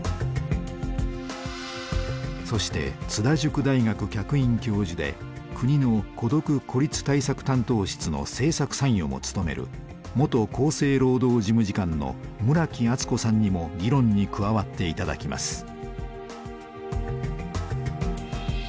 そして津田塾大学客員教授で国の孤独・孤立対策担当室の政策参与も務める元厚生労働事務次官の村木厚子さんにも議論に加わっていただきます。